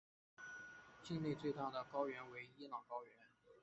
境内最大的高原为伊朗高原。